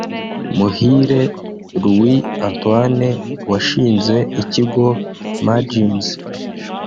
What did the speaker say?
Muhire Louis Antoine washinze Ikigo Mergims